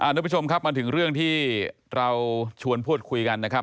ทุกผู้ชมครับมาถึงเรื่องที่เราชวนพูดคุยกันนะครับ